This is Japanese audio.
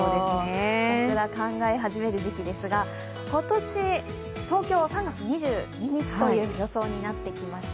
桜、考え始める時期ですが今年、東京、３月２２日という予想になってきました。